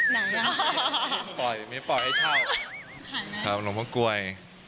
ไม่ปล่อยไม่ปล่อยให้เช่าข่ายไหนข่าวหลงพระกล้วย